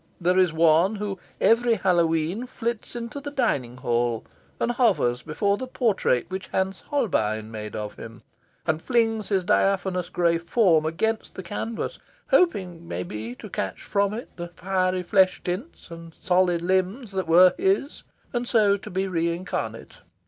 There is one who, every Halloween, flits into the dining hall, and hovers before the portrait which Hans Holbein made of him, and flings his diaphanous grey form against the canvas, hoping, maybe, to catch from it the fiery flesh tints and the solid limbs that were his, and so to be re incarnate.